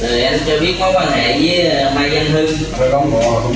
rồi em cho biết mối quan hệ với mai văn hưng